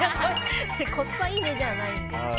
コスパいいねじゃないんです。